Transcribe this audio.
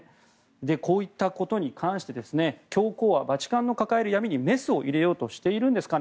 こういったことに関して教皇はバチカンを抱える闇にメスを入れようとしているんです。